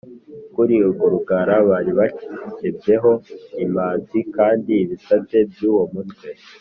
Kuri urwo rugara bari barakebyeho imanzi kandi ibisate by’uwo mutwe